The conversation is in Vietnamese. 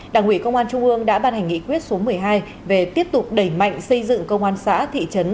đảng ủy công an trung ương đã ban hành nghị quyết số một mươi hai về tiếp tục đẩy mạnh xây dựng công an xã thị trấn